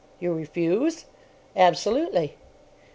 "You refuse?" "Absolutely."